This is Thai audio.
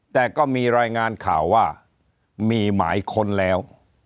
แต่ก็มีรายงานข่าวว่ามีหมายค้นแล้ว